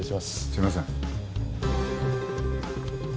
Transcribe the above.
すみません。